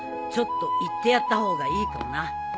ちょっと言ってやった方がいいかもな。